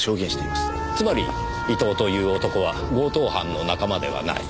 つまり伊藤という男は強盗犯の仲間ではない。